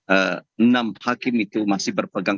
enam hakim itu masih berpegang